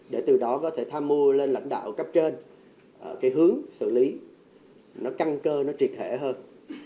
để từ đó có thể tham mưu lên lãnh đạo cấp trên cái hướng xử lý nó căng cơ nó triệt hẻ hơn